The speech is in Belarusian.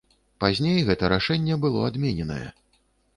Пазней гэта рашэнне было адмененае.